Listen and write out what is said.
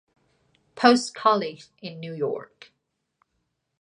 Post College in New York.